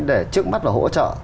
để trước mắt và hỗ trợ